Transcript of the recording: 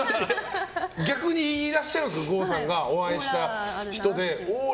逆にいらっしゃるんですか郷さんがお会いした人で。